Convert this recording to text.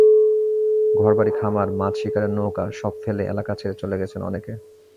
ঘরবাড়ি, খামার, মাছ শিকারের নৌকা—সব ফেলে এলাকা ছেড়ে চলে গেছেন অনেকে।